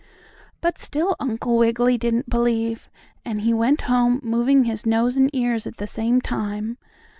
But still Uncle Wiggily didn't believe, and he went home, moving his nose and ears at the same time.